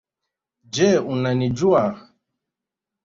Je unanijua